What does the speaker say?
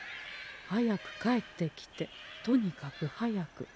「早く帰ってきてとにかく早く」。